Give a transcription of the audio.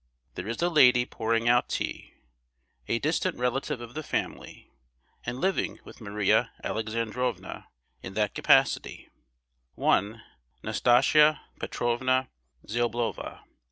There is a lady pouring out tea, a distant relative of the family, and living with Maria Alexandrovna in that capacity, one Nastasia Petrovna Ziablova.